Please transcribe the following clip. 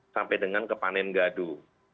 sampai dengan kepanen gaduh